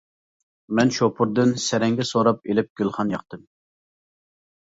مەن شوپۇردىن سەرەڭگە سوراپ ئېلىپ گۈلخان ياقتىم.